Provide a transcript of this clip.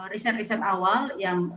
riset riset awal yang